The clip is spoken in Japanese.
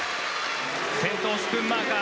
先頭、スクンマーカー。